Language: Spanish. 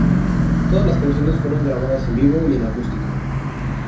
Todas las canciones fueron grabadas en vivo y en acústico.